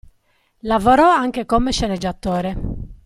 Lavorò anche come sceneggiatore.